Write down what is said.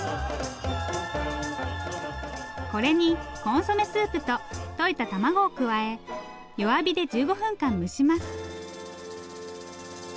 これにコンソメスープとといた卵を加え弱火で１５分間蒸します。